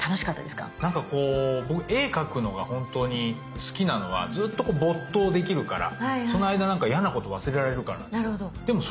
なんかこう僕絵描くのが本当に好きなのはずっとこう没頭できるからその間なんか嫌なこと忘れられるからなんですよ。